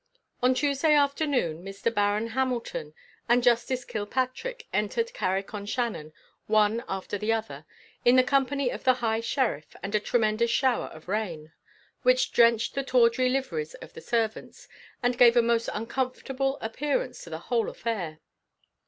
On Tuesday afternoon Mr. Baron Hamilton and Justice Kilpatrick entered Carrick on Shannon, one after the other, in the company of the high sheriff, and a tremendous shower of rain, which drenched the tawdry liveries of the servants, and gave a most uncomfortable appearance to the whole affair.